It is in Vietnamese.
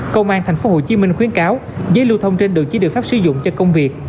công an tp hcm khuyến cáo giấy lưu thông trên đường chỉ địa pháp sử dụng cho công việc